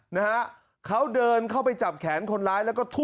นะฮะเขาเดินเข้าไปจับแขนคนร้ายแล้วก็ทุบ